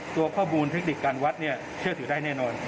ตัวข้อมูลเทคนิคการวัดเนี่ยเชื่อถือได้แน่นอน